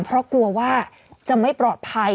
เพราะกลัวว่าจะไม่ปลอดภัย